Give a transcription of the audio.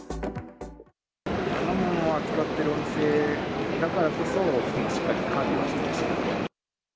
生ものを扱っているお店だからこそ、しっかり、管理はしてほしいですね。